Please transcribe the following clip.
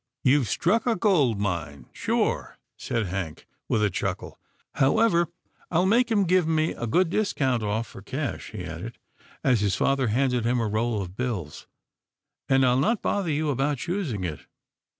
" You've struck a gold mine, sure," said Hank with a chuckle, " however, I'll make 'em give me a good discount off — for cash," he added, as his father handed him a roll of bills, " and I'll not bother you about choosing it.